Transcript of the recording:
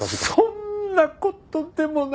そんな事でもないが。